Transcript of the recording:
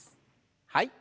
はい。